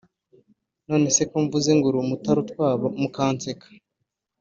Nonese ko mvuze ngo uri umutarutwa mukanseka